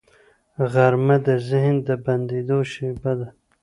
غرمه د ذهن د بندېدو شیبه ده